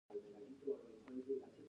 که یو نسل پاتې راشي، لړۍ پرې کېږي.